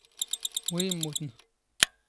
ⵡⵉ ⵉⵎⵎⵓⵜⵏ?